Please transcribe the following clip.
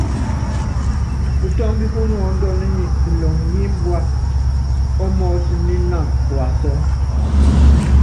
Putɔ́mb pú nuɔ́ndɔn nyɛ ilɔŋ í imbua ɔ́ mɔɔ́s mí ínan kuasɔ́.